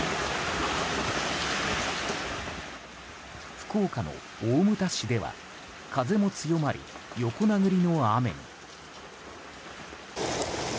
福岡の大牟田市では風も強まり、横殴りの雨に。